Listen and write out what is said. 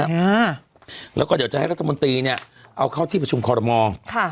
อ่าแล้วก็เดี๋ยวจะให้รัฐมนตรีเนี้ยเอาเข้าที่ประชุมคอรมอลค่ะ